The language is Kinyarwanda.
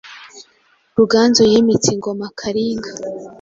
Ruganzu yimitse ingoma Kalinga,